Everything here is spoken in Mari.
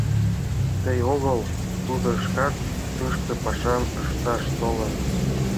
— Тый огыл, тудо шкак тышке пашам ышташ толын.